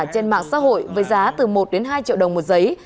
trên mạng xã hội với giá từ một đến hai triệu đồng một giấy